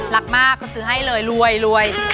รักมากก็ซื้อให้เลยรวยรวย